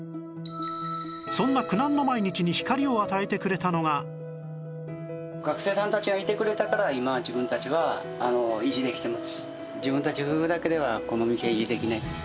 そんな苦難の毎日に学生さんたちがいてくれたから今自分たちは維持できてます。